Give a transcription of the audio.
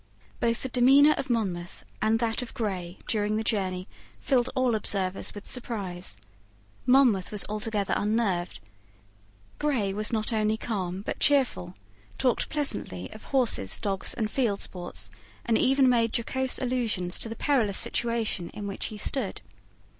Both the demeanour of Monmouth and that of Grey, during the journey, filled all observers with surprise. Monmouth was altogether unnerved. Grey was not only calm but cheerful, talked pleasantly of horses, dogs, and field sports, and even made jocose allusions to the perilous situation in which he stood.